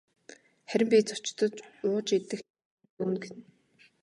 Харин би зочдод ууж идэх юмыг нь зөөнө гэнэ.